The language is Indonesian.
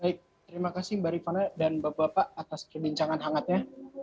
baik terima kasih mbak rifana dan bapak bapak atas perbincangan hangatnya